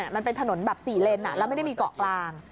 มันเป็นถนนแบบ๔เลนแล้วไม่ได้มีเกาะกลาง